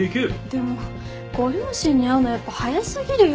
でもご両親に会うのやっぱ早過ぎるよ。